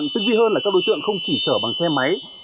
tức vì hơn là các đối tượng không chỉ sở bằng xe máy